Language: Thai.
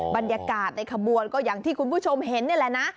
บรรยากาศในขบวนก็อย่างที่คุณผู้ชมเห็นนี่แหละนะ